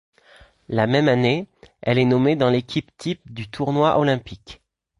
La même année, elle est nommée dans l'équipe type du tournoi olympique.